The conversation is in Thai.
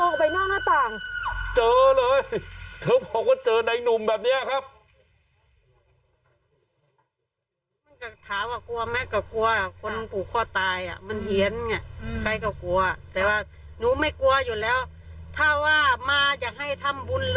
โอ้โหตื่มใจแล้วนี่ไงโม่มาไปแน่าหน้าต่าง